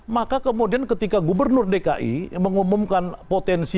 maka kemudian ketika gubernur dki mengumumkan potensi